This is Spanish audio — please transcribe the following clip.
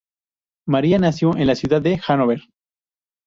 María nació en la ciudad de Hannover.